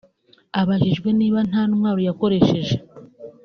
Abajijwe niba nta ntwaro yakoresheje